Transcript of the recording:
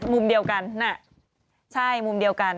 มุมเดียวกันน่ะใช่มุมเดียวกัน